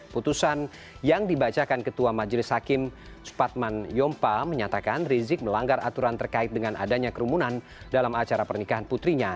putusan yang dibacakan ketua majelis hakim supadman yompa menyatakan rizik melanggar aturan terkait dengan adanya kerumunan dalam acara pernikahan putrinya